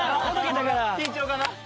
緊張がな。